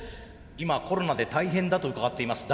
今コロナで大変だと伺っています。